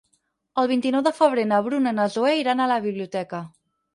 El vint-i-nou de febrer na Bruna i na Zoè iran a la biblioteca.